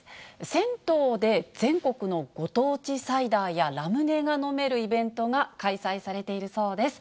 銭湯で全国のご当地サイダーやラムネが飲めるイベントが開催されているそうです。